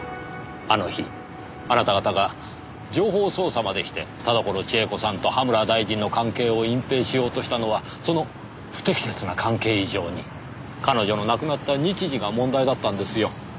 あの日あなた方が情報操作までして田所千枝子さんと葉村大臣の関係を隠ぺいしようとしたのはその不適切な関係以上に彼女の亡くなった日時が問題だったんですよ。